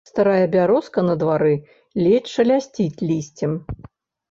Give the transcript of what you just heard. Старая бярозка на дварэ ледзь шалясціць лісцем.